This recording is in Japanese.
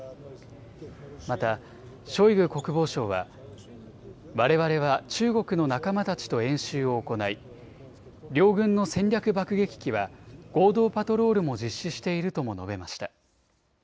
またショイグ国防相はわれわれは中国の仲間たちと演習を行い両軍の戦略爆撃機は合同パトロールも実施しているとも述べました。